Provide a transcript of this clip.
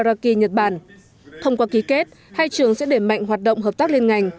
trường đại học việt nhật thông qua ký kết hai trường sẽ để mạnh hoạt động hợp tác liên ngành